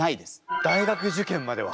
大学受験までは？